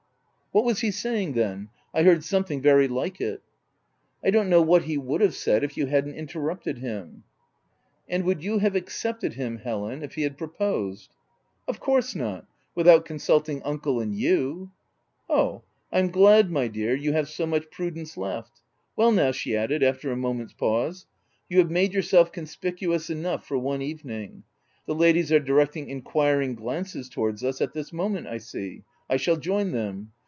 " What was he saying then ? I heard some thing very like it." " I don't know what he would have said, if you hadn't interrupted him. v " And would you have accepted him, Helen, if he had proposed ?" <c Of course not — without consulting uncle and you/' " Oh I I'm glad, my dear, you have so much prudence left. Well now," she added, after a moment's pause, " you have made yourself conspicuous enough for one evening. The ladies are directing inquiring glances towards us at this moment I see. I shall join them.